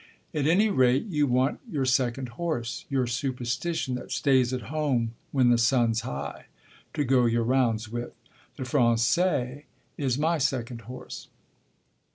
At any rate you want your second horse your superstition that stays at home when the sun's high to go your rounds with. The Français is my second horse."